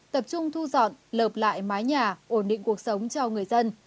tập trung thu dọn lợp lại mái nhà ổn định cuộc sống cho người dân